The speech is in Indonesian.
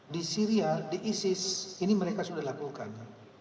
di syria di isis ini mereka sudah lakukan